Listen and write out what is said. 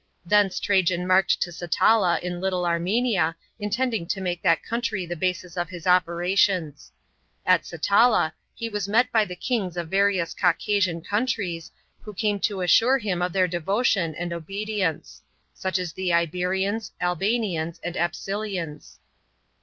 Thence Trajan marched to Satala in Little Armenia, intending to make that country the basis of his operations. At Satala he was met by the kings of various Caucasian countries, who came to assure him of their devotion and obidience — such as the Iberians, Albanians an<l Apsilians.